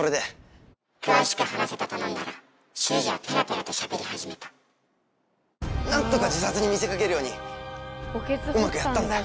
「詳しく話せ」と頼んだら秀司はペラペラとしゃべり始めた何とか自殺に見せかけるようにうまくやったんだよ。